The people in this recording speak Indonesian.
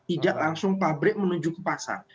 tidak langsung pabrik menuju ke pasar